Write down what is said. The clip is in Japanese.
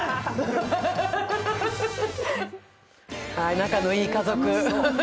仲のいい家族。